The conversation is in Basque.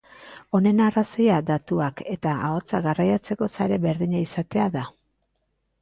Honen arrazoia datua keta ahotsa garraiatzeko sare berdina izatea da.